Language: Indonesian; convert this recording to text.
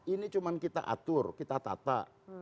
ini cuma kita atur kita tata